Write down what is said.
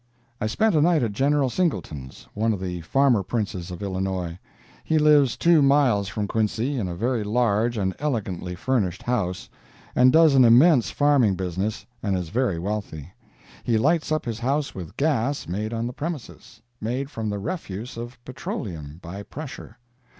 I spent a night at General Singleton's—one of the farmer princes of Illinois—he lives two miles from Quincy, in a very large and elegantly furnished house, and does an immense farming business and is very wealthy. He lights his house with gas made on the premises—made from the refuse of petroleum, by pressure.